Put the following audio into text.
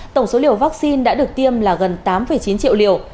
tổng số liều vaccine đã được tiêm là gần tám chín triệu liều